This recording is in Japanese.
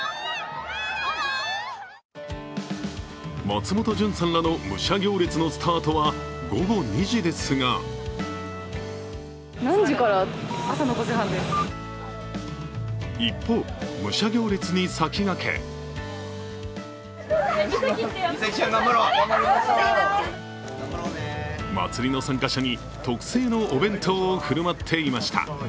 松本潤さんらの武者行列のスタートは午後２時ですが一方、武者行列に先駆け祭りの参加者に特製のお弁当を振る舞っていました。